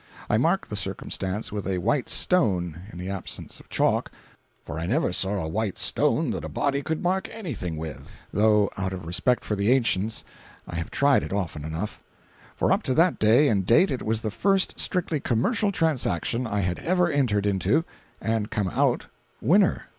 I mark the circumstance with a white stone (in the absence of chalk—for I never saw a white stone that a body could mark anything with, though out of respect for the ancients I have tried it often enough); for up to that day and date it was the first strictly commercial transaction I had ever entered into, and come out winner.